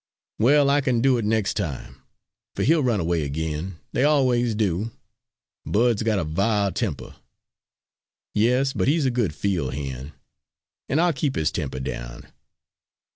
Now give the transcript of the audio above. "Well, I kin do it nex' time, fer he'll run away ag'in they always do. Bud's got a vile temper." "Yes, but he's a good field hand, and I'll keep his temper down.